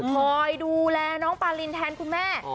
คอยดูแลน้องปารินแทนคุณแม่